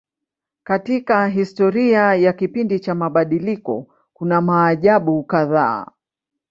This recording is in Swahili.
Katika historia ya kipindi cha mabadiliko kuna maajabu kadhaa.